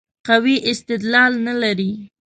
قوي استدلال نه لري.